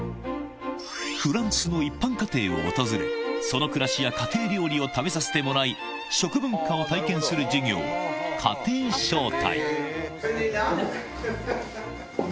フランスの一般家庭を訪れ、その暮らしや家庭料理を食べさせてもらい、食文化を体験する授業、家庭招待。